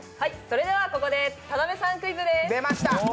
それでは、ここで田辺さんクイズです。